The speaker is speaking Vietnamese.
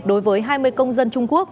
đối với hai mươi công dân trung quốc